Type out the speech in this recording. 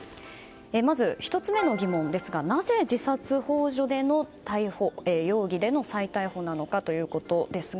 まず、１つ目の疑問なぜ自殺幇助容疑での再逮捕なのかということですが。